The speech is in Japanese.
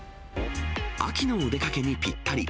秋のお出かけにぴったり。